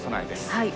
はい。